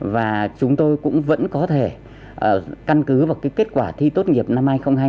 và chúng tôi cũng vẫn có thể căn cứ vào cái kết quả thi tốt nghiệp năm hai nghìn hai mươi